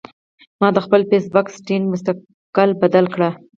ما د خپل فېس بک سېټنګ مستقل بدل کړۀ